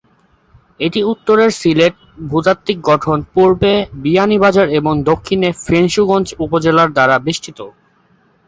এটি উত্তরে সিলেট ভূতাত্ত্বিক গঠন, পূর্বে বিয়ানীবাজার এবং দক্ষিণে ফেঞ্চুগঞ্জ উপজেলা দ্বারা বেষ্টিত।